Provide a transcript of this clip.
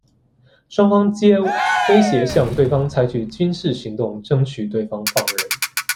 双方皆威胁向对方采取军事行动争取对方放人。